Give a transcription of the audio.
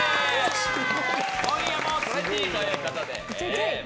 今夜もトレンディーということで。